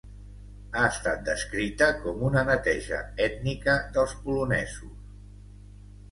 Ha estat descrita com una neteja ètnica dels polonesos.